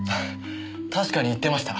確かに言ってました。